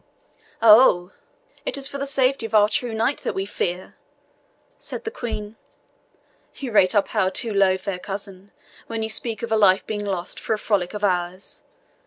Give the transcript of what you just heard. "Oh, it is for the safety of our true knight that we fear!" said the Queen. "You rate our power too low, fair cousin, when you speak of a life being lost for a frolic of ours.